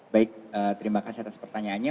baik terima kasih atas pertanyaannya